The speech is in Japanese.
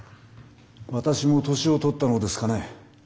私も年を取ったのですかね。